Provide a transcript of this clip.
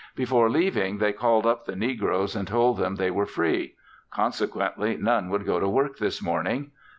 Before leaving they called up the negroes and told them they were free; consequently none would go to work this morning.